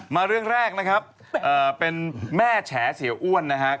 เรื่องแรกนะครับเป็นแม่แฉเสียอ้วนนะครับ